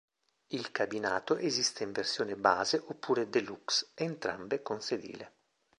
Il cabinato esiste in versione base oppure "deluxe", entrambe con sedile.